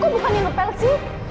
gue bukan yang ngepel sih